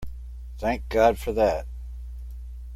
Thank God for that!